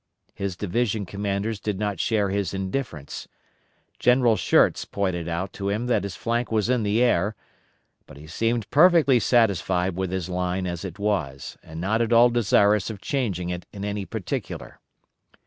His division commanders did not share his indifference. General Schurz pointed out to him that his flank was in the air, but he seemed perfectly satisfied with his line as it was, and not at all desirous of changing it in any particular.